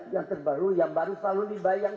yang terbaru yang baru selalu dibayang